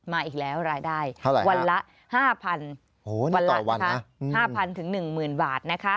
มาอีกแล้วรายได้วันละ๕๐๐๐บาทนะคะ๕๐๐๐ถึง๑๐๐๐๐บาทนะคะ